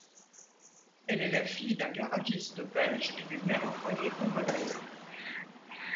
Elle est la fille d'un garagiste belge et d'un mère au foyer congolaise.